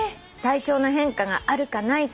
「体調の変化があるかな